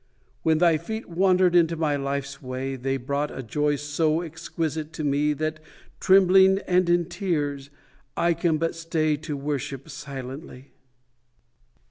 When thy feet wandered into my life's way They brought a joy so exquisite to me That, trembling and in tears, I can but stay To worship silently.